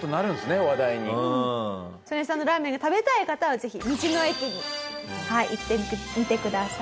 ソネさんのラーメンが食べたい方はぜひ道の駅に行ってみてください。